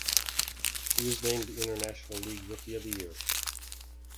He was named the International League Rookie of the Year.